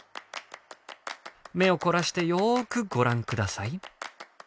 目を凝らしてよくご覧下さい。